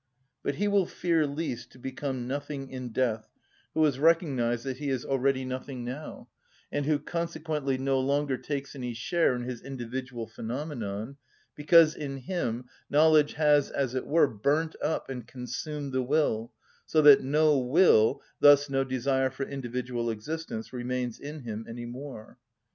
But he will fear least to become nothing in death who has recognised that he is already nothing now, and who consequently no longer takes any share in his individual phenomenon, because in him knowledge has, as it were, burnt up and consumed the will, so that no will, thus no desire for individual existence, remains in him any more.